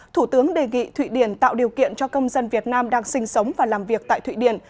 thủ tướng đề nghị thụy điển tạo điều kiện cho công dân việt nam đang sinh sống và làm việc tại thụy điển